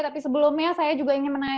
tapi sebelumnya saya juga ingin menanyakan